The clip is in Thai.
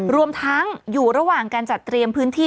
รวมทั้งอยู่ระหว่างการจัดเตรียมพื้นที่